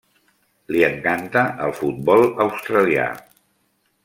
Li encanta el futbol australià.